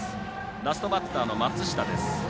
ラストバッターの松下です。